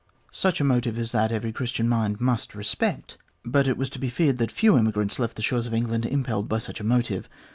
Such a motive as that every Christian mind must respect, but it was to be feared that few emigrants left the shores of England impelled by such a motive.